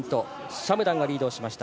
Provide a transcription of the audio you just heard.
シャムダンがリードしました。